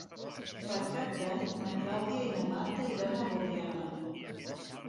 Per Cap d'Any na Clàudia i na Marta iran a Borriana.